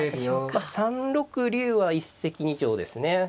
まあ３六竜は一石二鳥ですね。